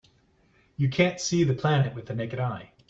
You can't see the planet with the naked eye.